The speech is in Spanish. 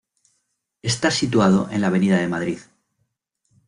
Está situado en la Avenida de Madrid.